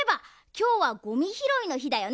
きょうはゴミひろいのひだよね。